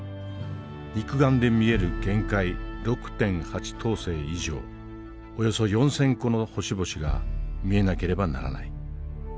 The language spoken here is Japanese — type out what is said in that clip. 肉眼で見える限界６．８等星以上およそ４，０００個の星々が見えなければならない。